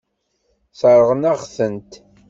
Sseṛɣen-aɣ-tent.